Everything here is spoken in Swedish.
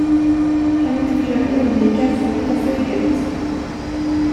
Kan vi inte försöka undvika att folk tar flyget?